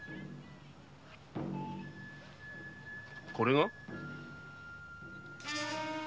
これが？